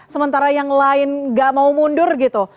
sementara yang lain gak mau mundur gitu